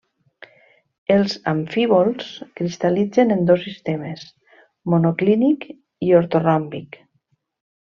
Els amfíbols cristal·litzen en dos sistemes: monoclínic i ortoròmbic.